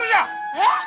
えっ！